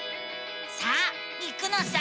さあ行くのさ！